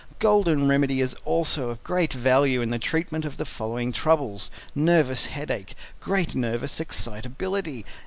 Golden Remedy is also of great value in the treatment of the following troubles: Nervous Headache. Great Nervous Excitability.